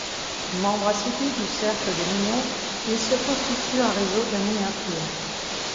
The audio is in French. Membre assidu du Cercle de l'union, il se constitue un réseau d’amis influents.